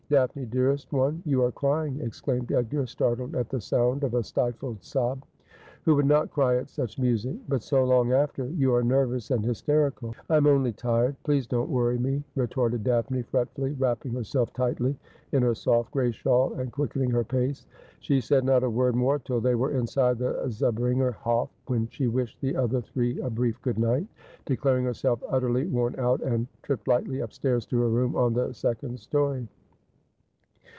' Daphne, dearest one, you are crying,' exclaimed Edgar, startled at the sound of a stifled sob. ' Who would not cry at such music ?'' But so long after. You are nervous and hysterical.' ' I am only tired. Please don't worry me,' retorted Daphne fretfully, wrapping herself tightly in her soft gray shawl, and quickening her pace. She said not a word more till they were inside the Zahringer Hof , when she wished the other three a brief good night, declar ing herself utterly worn out, and tripped lightly upstairs to her room on the second storey.